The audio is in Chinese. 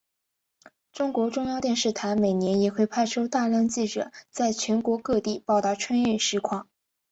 中国中央电视台每年也会派出大量记者在全国各地报道春运实况。